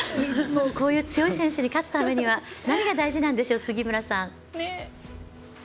こういう強い選手に勝つためには何が大事なんでしょう？